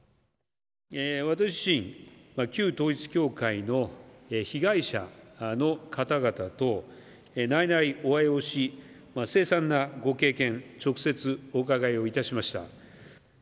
私、旧統一教会の被害者の方々と内々、お会いをし凄惨なご経験を直接お伺いいたしました。